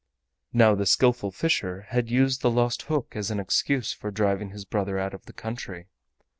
Now the Skillful Fisher had used the lost hook as an excuse for driving his brother out of the country.